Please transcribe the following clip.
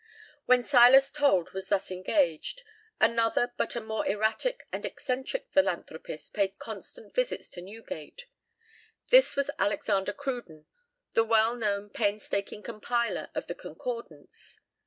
While Silas Told was thus engaged, another but a more erratic and eccentric philanthropist paid constant visits to Newgate. This was Alexander Cruden, the well known, painstaking compiler of the 'Concordance.'